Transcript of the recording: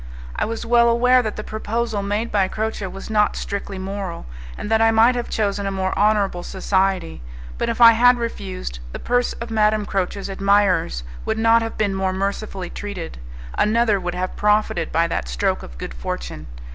I was well aware that the proposal made by Croce was not strictly moral, and that I might have chosen a more honourable society; but if I had refused, the purse of Madame Croce's admirers would not have been more mercifully treated; another would have profited by that stroke of good fortune.